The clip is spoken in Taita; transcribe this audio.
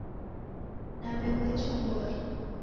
Nambe kwaichi kubora?